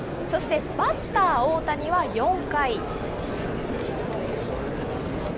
そしてバッター、大谷は４回。